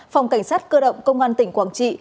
phòng cảnh sát cơ động công an tỉnh quảng trị